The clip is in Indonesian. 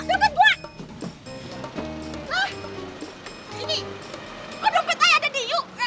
lo jangan macem macem sama gue ya